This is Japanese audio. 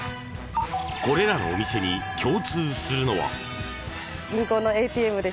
これらのお店に共通するのは。